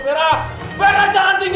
berah jangan tinggalin aku